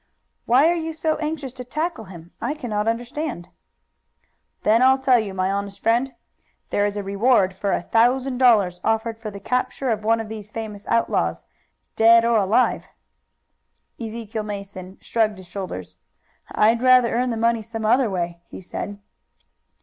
"Why are you so anxious to tackle him? I cannot understand." "Then I'll tell you, my honest friend. There is a reward of a thousand dollars offered for the capture of one of these famous outlaws, dead or alive." Ezekiel Mason shrugged his shoulders. "I'd rather earn the money some other way!" he said.